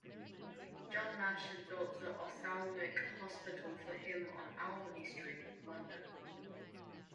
John Nash had built the Ophthalmic Hospital for him on Albany Street, London.